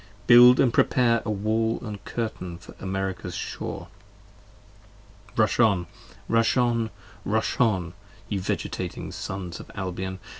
Build & prepare a Wall & Curtain for America's shore! 50 Rush on! Rush on! Rush on! ye vegetating Sons of Albion